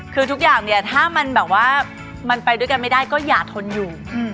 คือทุกอย่างเนี่ยถ้ามันแบบว่ามันไปด้วยกันไม่ได้ก็อย่าทนอยู่